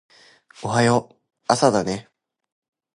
おはよう朝だね